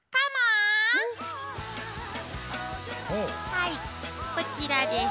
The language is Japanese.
はいこちらです。